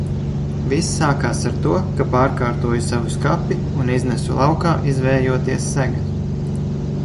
Viss sākās ar to, ka pārkārtoju savu skapi un iznesu laukā izvējoties segas.